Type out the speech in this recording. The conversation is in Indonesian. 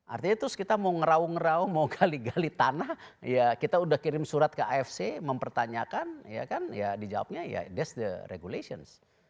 artinya terus kita mau ngeraung ngerau mau gali gali tanah ya kita udah kirim surat ke afc mempertanyakan ya kan ya dijawabnya ya this the regulations